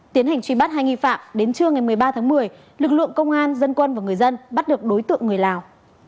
tiến hành truy bắt hai nghi phạm đến trưa ngày một mươi ba tháng một mươi lực lượng công an dân quân và người dân bắt được đối tượng người lào